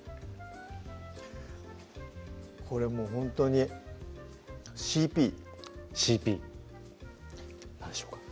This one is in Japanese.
これもうほんとにＣＰ何でしょうか？